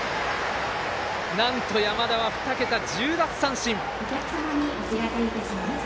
なんと、山田は２桁１０奪三振。